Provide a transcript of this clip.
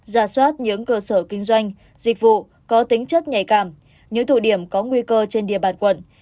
giả soát những cơ sở kinh doanh dịch vụ có tính chất nhạy cảm những thủ điểm có nguy cơ trên địa bàn quận